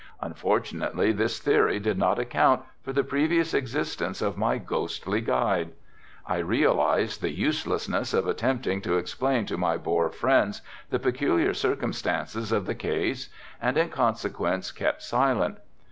Unfortunately this theory did not account for the previous existence of my ghostly guide. I realized the uselessness of attempting to explain to my Boer friends the peculiar circumstances of the case and in consequence kept silent.